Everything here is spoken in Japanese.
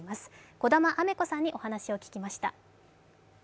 児玉雨子さんにお話を聞きました。